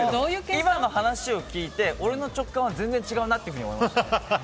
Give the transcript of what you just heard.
今の話を聞いて俺の直感は全然違うなと思いましたね。